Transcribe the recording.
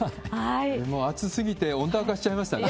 熱すぎて温暖化しちゃいましたね。